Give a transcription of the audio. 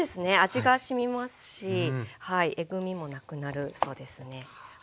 味がしみますしえぐみもなくなるそうですね。